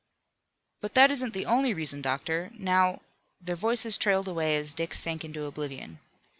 "But that isn't the only reason, doctor. Now " Their voices trailed away as Dick sank into oblivion.